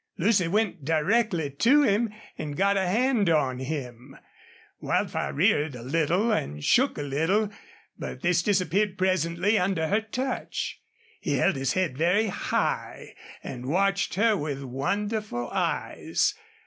Lucy went directly to him and got a hand on him. Wildfire reared a little and shook a little, but this disappeared presently under her touch. He held his head very high and watched her with wonderful eyes.